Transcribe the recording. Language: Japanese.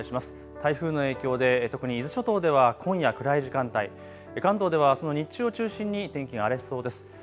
台風の影響で特に伊豆諸島では今夜暗い時間帯、関東ではあすの日中を中心に天気が荒れそうです。